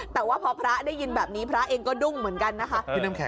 แต่ว่าพอพระได้ยินแบบนี้พระเองก็ดุ้งเหมือนกันนะคะพี่น้ำแข